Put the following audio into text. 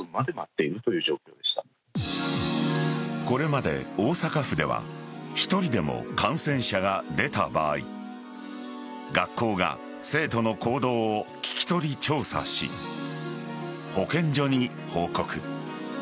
これまで大阪府では１人でも感染者が出た場合学校が生徒の行動を聞き取り調査し保健所に報告。